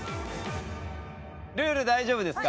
ルール大丈夫ですか？